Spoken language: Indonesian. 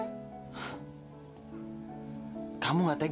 abdul muntah kamu harus cari uang